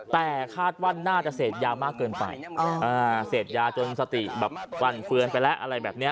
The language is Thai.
แต่คาดว่าน่าจะเสพยามากเกินไปเสพยาจนสติแบบฟันเฟือนไปแล้วอะไรแบบนี้